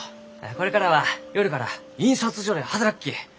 これからは夜から印刷所で働くき。